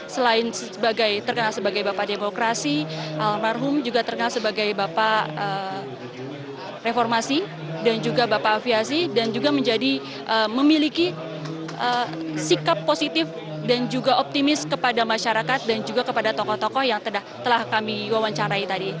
selain terkenal sebagai bapak demokrasi almarhum juga terkenal sebagai bapak reformasi dan juga bapak aviasi dan juga menjadi memiliki sikap positif dan juga optimis kepada masyarakat dan juga kepada tokoh tokoh yang telah kami wawancarai tadi